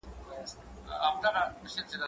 زه پرون د کتابتوننۍ سره مرسته کوم!.